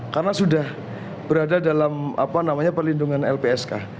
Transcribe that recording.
karena sudah berada dalam perlindungan lpsk